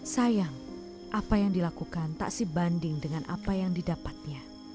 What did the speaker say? sayang apa yang dilakukan tak sebanding dengan apa yang didapatnya